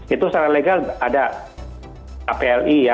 itu secara legal ada kpli ya